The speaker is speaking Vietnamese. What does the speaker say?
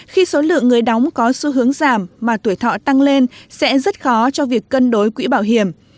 khi số lượng người đóng có xu hướng giảm mà tuổi thọ tăng lên sẽ rất khó cho việc cân đối quỹ bảo hiểm